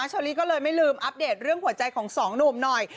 เชอรี่ก็เลยไม่ลืมอัปเดตเรื่องหัวใจของสองหนุ่มหน่อย